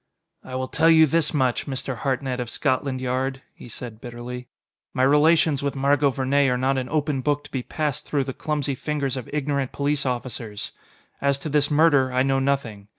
"I will tell you this much, Mr. Hartnett of Scotland Yard," he said bitterly: "My relations with Margot Vernee are not an open book to be passed through the clumsy fingers of ignorant police officers. As to this murder, I know nothing.